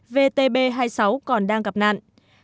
vtb hai mươi sáu còn đang gặp nạn